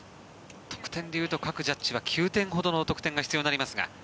得点としては各ジャッジ９点ほどの得点が必要になりますが。